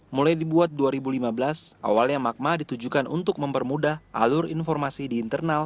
mulai dibuat dua ribu lima belas awalnya magma ditujukan untuk mempermudah alur informasi di internal